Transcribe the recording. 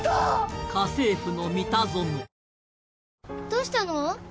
どうしたの？